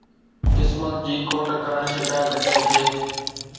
قسمت جي کوٽ جي شڪايت ڪرڻ ڪنهن کي؟